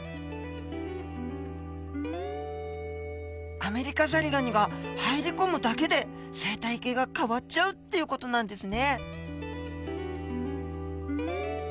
アメリカザリガニが入り込むだけで生態系が変わっちゃうっていう事なんですね。